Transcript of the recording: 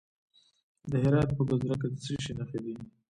د هرات په ګذره کې د څه شي نښې دي؟